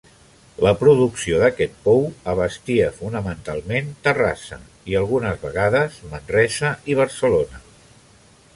La producció d'aquest pou abastia fonamentalment Terrassa, i algunes vegades Manresa i Barcelona.